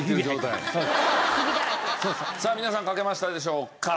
皆さん書けましたでしょうか？